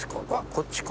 こっちか。